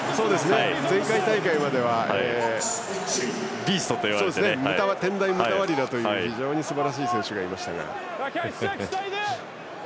前回大会まではビーストと呼ばれた非常にすばらしい選手がいましたが。